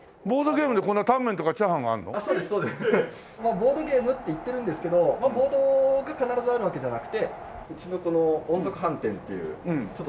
ボードゲームって言ってるんですけどボードが必ずあるわけじゃなくてうちのこの音速飯店っていうちょっと商品の。